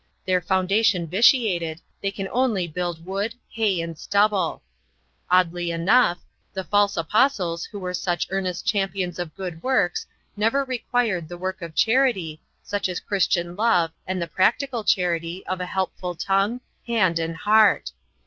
Their foundation vitiated, they can only build wood, hay, and stubble. Oddly enough, the false apostles who were such earnest champions of good works never required the work of charity, such as Christian love and the practical charity of a helpful tongue, hand, and heart.